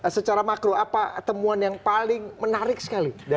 secara makro apa temuan yang paling menarik sekali